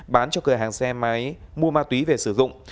bán cho cửa hàng xe máy mua ma túy về sử dụng